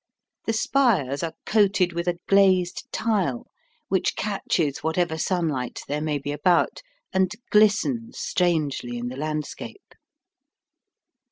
The spires are coated with a glazed tile, which catches whatever sunlight there may be about, and glistens strangely in the landscape.